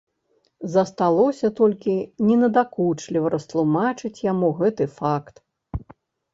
Засталося толькі ненадакучліва растлумачыць яму гэты факт.